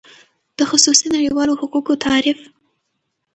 د خصوصی نړیوالو حقوقو تعریف :